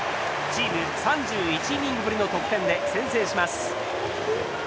チーム３１イニングぶりの得点で先制します。